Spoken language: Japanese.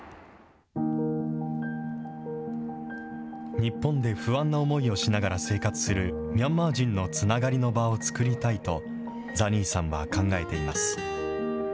日本で不安な思いをしながら生活するミャンマー人のつながりの場を作りたいと、ザニーさんは考えています。